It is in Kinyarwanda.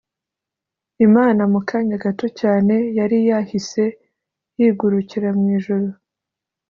imana mu kanya gato cyane yari yahise yigurukira mu ijuru